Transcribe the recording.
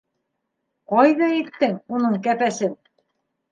Ҡайҙа иттең уның кәпәсен?